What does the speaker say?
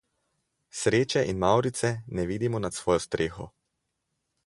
Sreče in mavrice ne vidimo nad svojo streho.